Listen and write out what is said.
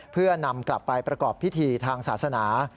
เพื่อนำกลับไปประกอบพิธีทางศาสนา